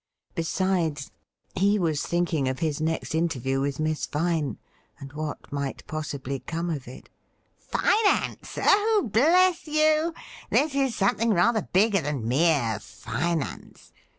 Besides, he was thinking of his next interview with Miss Vine, and what might possibly come of it. ' Finance ? Oh, bless you ! this is something rather bigger than mere finance.